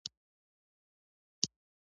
له دويم موټر څخه د ډاکټر حشمتي کورنۍ ښکته شوه.